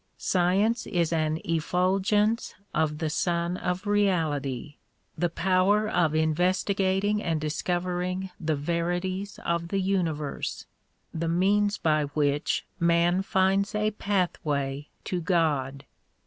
Science is an effulgence of the Sun of Reality, the power of investigating and discovering the verities of the universe, the means by which man finds a pathway to God.